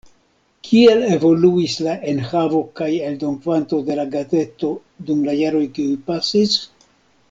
Kiel evoluis la enhavo kaj eldonkvanto de la gazeto dum la jaroj kiuj pasis?